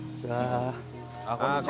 こんにちは。